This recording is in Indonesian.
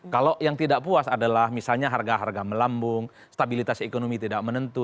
kalau yang tidak puas adalah misalnya harga harga melambung stabilitas ekonomi tidak menentu